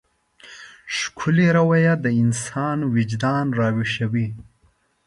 ښکلې رويه د انسان وجدان راويښوي.